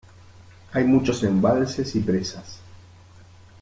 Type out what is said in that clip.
Hay muchos embalses y presas.